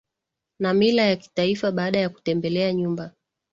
na mila ya kitaifa baada ya kutembelea nyumba